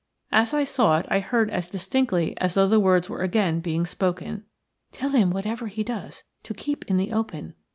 As I saw it I heard as distinctly as though the words were again being spoken:– "Tell him whatever he does to keep in the open.